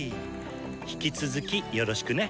引き続きよろしくね！